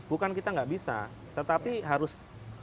bukan kita nggak bisa tetapi harus